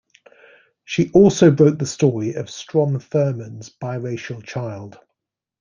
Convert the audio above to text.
She also broke the story of Strom Thurmond's biracial child.